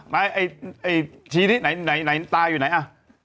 ไหนอ่ะไอ้ชี้ดี้ตาอยู่ไหนอ่ะ